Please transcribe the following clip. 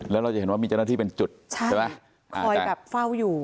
แล้วเราจะเห็นว่ามีเจ้าหน้าที่เป็นจุดใช่ไหมคอยแบบเฝ้าอยู่